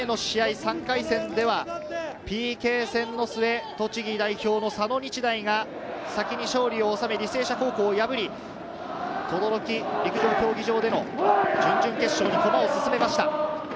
３回戦では、ＰＫ戦の末、栃木代表の佐野日大が先に勝利を収め、履正社高校を破り、等々力陸上競技場での準々決勝に駒を進めました。